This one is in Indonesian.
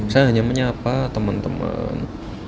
saya hanya menyapa teman teman